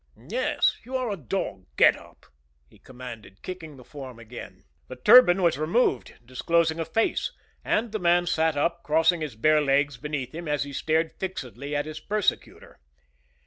"Yes; you are a dog. Get up!" he commanded, kicking the form again. The turban was removed, disclosing a face, and the man sat up, crossing his bare legs beneath him as he stared fixedly at his persecutor.